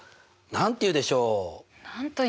何て言うでしょう？